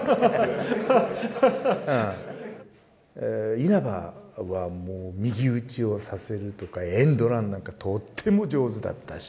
稲葉は右打ちをさせるとかエンドランなんかとっても上手だったし。